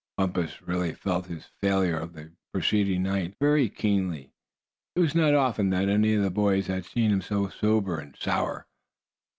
Bumpus really felt his failure of the preceding night very keenly. It was not often that any of the boys had seen him so sober and sour.